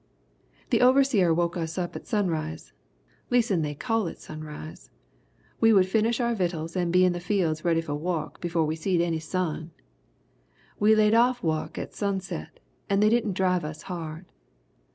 "The overseer woke us up at sunrise leas'n they called it sunrise! We would finish our vittles and be in the fields ready for wuk befo' we seed any sun! We laid off wuk at sunset and they didn't drive us hard.